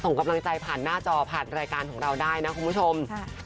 ส่งกำลังใจผ่านหน้าจอผ่านรายการของเราได้นะคุณผู้ชม